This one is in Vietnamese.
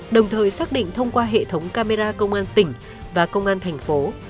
đồng thời xác định thông qua hệ thống camera công an tỉnh và công an thành phố